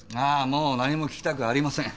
もう何も聞きたくありません。